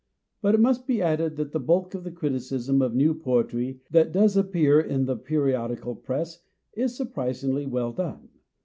But it must be added that the bulk of the criticism of new poetry that does appear in the periodical Press is surprisingly well done.